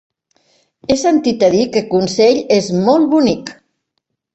He sentit a dir que Consell és molt bonic.